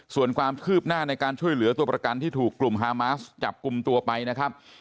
ส่วนความคืบหน้าในการช่วยเหลือตัวประกันที่ถูกกลุ่มฮามาสจับกลุ่มตัวไปนะครับ